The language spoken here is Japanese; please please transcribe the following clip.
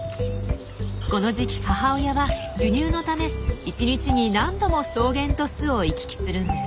この時期母親は授乳のため１日に何度も草原と巣を行き来するんです。